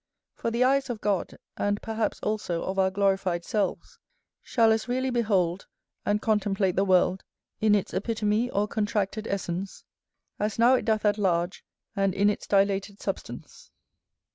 For the eyes of God, and perhaps also of our glorified selves, shall as really behold and contemplate the world, in its epitome or contracted essence, as now it doth at large and in its dilated substance.